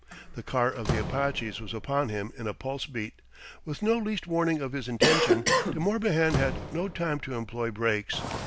The car of the Apaches was upon him in a pulse beat. With no least warning of his intention, De Morbihan had no time to employ brakes.